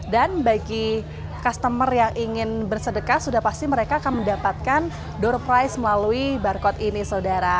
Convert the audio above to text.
dan bagi customer yang ingin bersedekah sudah pasti mereka akan mendapatkan door price melalui barcode ini saudara